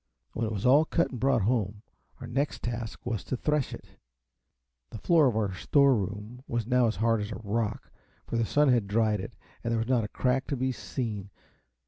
When it was all cut and brought home, our next task was to thresh it. The floor of our store room was now as hard as a rock, for the sun had dried it, and there was not a crack to be seen.